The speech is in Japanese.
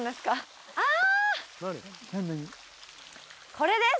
これです！